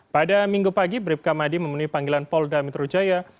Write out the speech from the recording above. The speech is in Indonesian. pada minggu pagi bribka madi memenuhi panggilan polda metro jaya